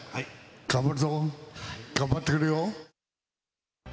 頑張るぞ、頑張ってくれよ。